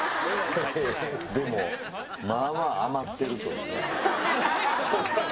でも、まあまあ余ってる。